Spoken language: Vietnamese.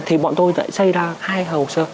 thì bọn tôi đã xây ra hai hồ sơ